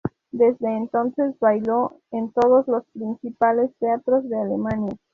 Desde entonces bailó en todos los principales teatros de Alemania.